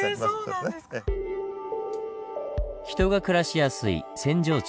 人が暮らしやすい扇状地。